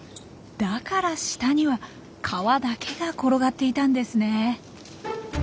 だから下には皮だけが転がっていたんですね。